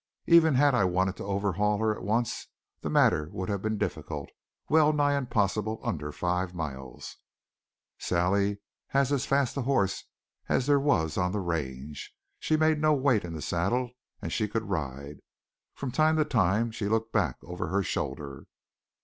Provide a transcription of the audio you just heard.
Even had I wanted to overhaul her at once the matter would have been difficult, well nigh impossible under five miles. Sally had as fast a horse as there was on the range; she made no weight in the saddle, and she could ride. From time to time she looked back over her shoulder.